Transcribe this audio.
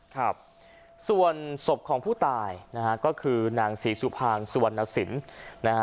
ครับส่วนศพของผู้ตายนะฮะก็คือนางศรีสุภางสุวรรณสินนะฮะ